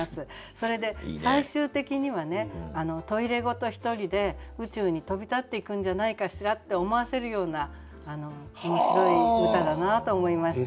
それで最終的にはトイレごと１人で宇宙に飛び立っていくんじゃないかしらって思わせるような面白い歌だなと思いました。